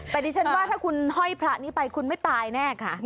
แต่ดิฉันว่าถ้าคุณห้อยพระนี้ไปคุณไม่ตายแน่ค่ะ